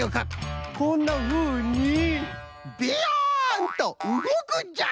こんなふうにビヨンとうごくんじゃ！